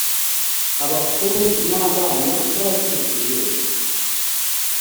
abakuru n abana n abakiri ku ibere